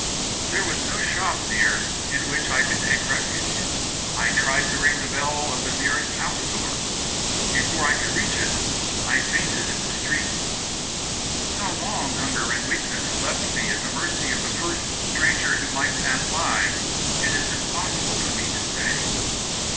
There was no shop near in which I could take refuge. I tried to ring the bell of the nearest house door. Before I could reach it I fainted in the street. "How long hunger and weakness left me at the mercy of the first stranger who might pass by, it is impossible for me to say.